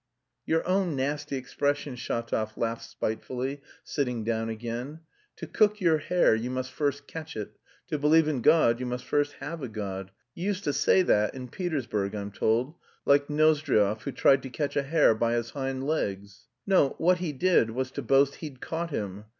"Your own nasty expression," Shatov laughed spitefully, sitting down again. "To cook your hare you must first catch it, to believe in God you must first have a god. You used to say that in Petersburg, I'm told, like Nozdryov, who tried to catch a hare by his hind legs." "No, what he did was to boast he'd caught him.